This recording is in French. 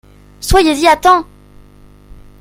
Soyez-y à temps !